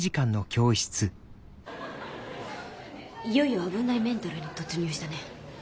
いよいよ危ないメンタルに突入したね。